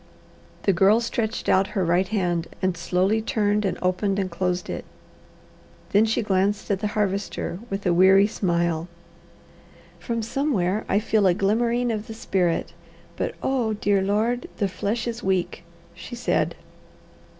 The Girl stretched out her right hand and slowly turned and opened and closed it. Then she glanced at the Harvester with a weary smile. "From somewhere I feel a glimmering of the spirit, but Oh, dear Lord, the flesh is weak!" she said.